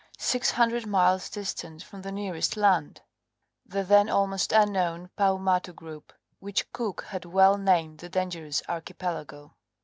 six hundred miles distant from the nearest land the then almost unknown Paumotu Group, which Cook had well named the Dangerous Archipelago.